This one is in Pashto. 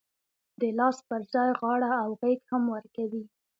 د لاس پر ځای غاړه او غېږ هم ورکوي.